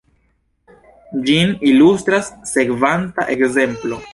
Ĝin ilustras sekvanta ekzemplo.